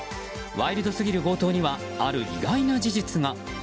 ワイルドすぎる強盗にはある意外な事実が。